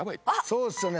そうっすよね。